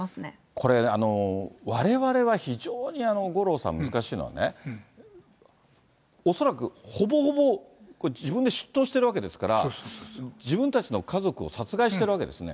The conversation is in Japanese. これ、われわれは非常に、五郎さん、難しいのはね、恐らくほぼほぼ自分で出頭しているわけですから、自分たちの家族を殺害してるわけですよね。